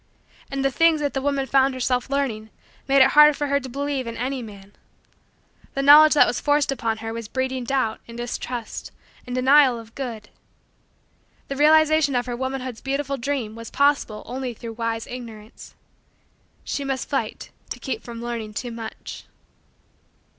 And the things that the woman found herself learning made it hard for her to believe in any man. The knowledge that was forced upon her was breeding doubt and distrust and denial of good. The realization of her womanhood's beautiful dream was possible only through wise Ignorance. She must fight to keep from learning too much.